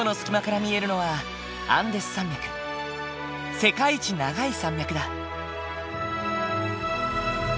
世界一長い山脈だ。